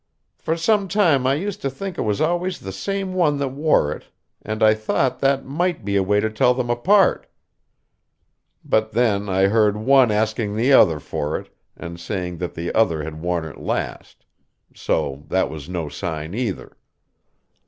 For some time I used to think it was always the same one that wore it, and I thought that might be a way to tell them apart. But then I heard one asking the other for it, and saying that the other had worn it last. So that was no sign either.